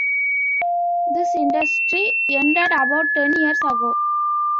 This industry ended about ten years ago.